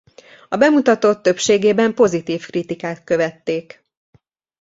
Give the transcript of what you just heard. A bemutatót többségében pozitív kritikák követték.